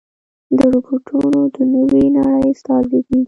روبوټونه د نوې نړۍ استازي دي.